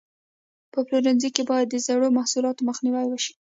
په پلورنځي کې باید د زړو محصولاتو مخنیوی وشي.